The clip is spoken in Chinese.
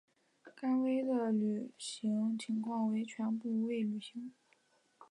甘薇的履行情况为全部未履行。